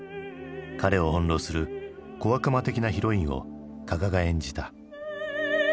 彼を翻弄する小悪魔的なヒロインを加賀が演じた。